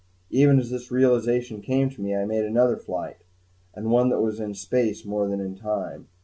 Even as this realization came to me, I made another flight and one that was in space more than in time.